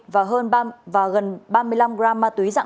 và gần ba mươi năm g ketamin